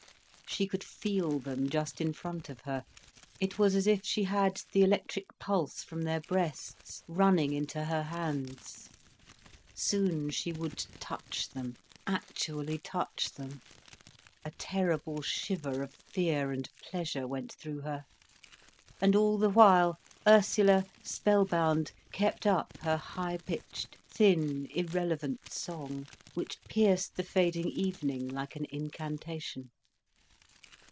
She could feel them just in front of her, it was as if she had the electric pulse from their breasts running into her hands. Soon she would touch them, actually touch them. A terrible shiver of fear and pleasure went through her. And all the while, Ursula, spell bound, kept up her high pitched thin, irrelevant song, which pierced the fading evening like an incantation.